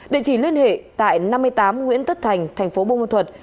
địa chỉ liên hệ tại năm mươi tám nguyễn tất thành thành phố bông mơ thuật